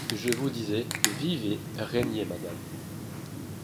je vous disais :— Vivez, régnez, Madame !